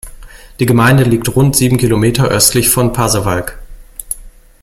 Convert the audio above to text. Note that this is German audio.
Die Gemeinde liegt rund sieben Kilometer östlich von Pasewalk.